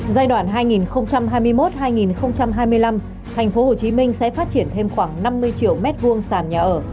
giai đoạn hai nghìn hai mươi một hai nghìn hai mươi năm tp hcm sẽ phát triển thêm khoảng năm mươi triệu m hai sàn nhà ở